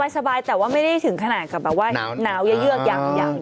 สบายแต่ว่าไม่ได้ถึงขนาดกับแบบว่าหนาวเยอะอย่าง